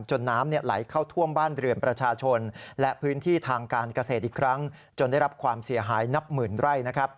น้ำไหลเข้าท่วมบ้านเรือนประชาชนและพื้นที่ทางการเกษตรอีกครั้งจนได้รับความเสียหายนับหมื่นไร่